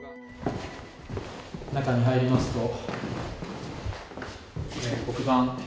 中に入りますと、黒板。